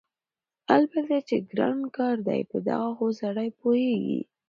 البته چې ګران کار دی په دغه خو هر سړی پوهېږي،